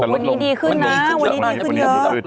วันนี้ดีขึ้นนะวันนี้ดีขึ้นเยอะ